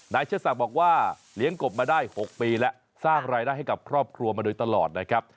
เชิดศักดิ์บอกว่าเลี้ยงกบมาได้๖ปีแล้วสร้างรายได้ให้กับครอบครัวมาโดยตลอดนะครับ